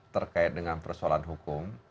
terkait dengan persoalan hukum